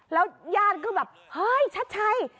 แล้วญาติก็แบบเฮ้ยชัดชัย